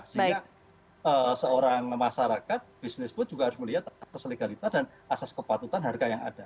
sehingga seorang masyarakat bisnis pun juga harus melihat asas legalitas dan asas kepatutan harga yang ada